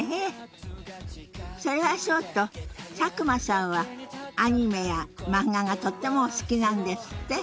それはそうと佐久間さんはアニメや漫画がとってもお好きなんですって？